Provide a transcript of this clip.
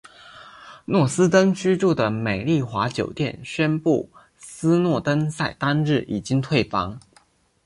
斯诺登居住的美丽华酒店宣布斯诺登在当日已经退房。